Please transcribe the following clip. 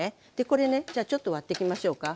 これねじゃあちょっと割ってきましょうか。